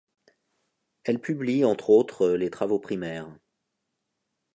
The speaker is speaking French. Elles publient entre autres les travaux primaires.